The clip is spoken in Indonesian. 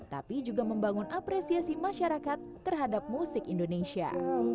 tapi juga membangun apresiasi masyarakat terhadap musik indonesia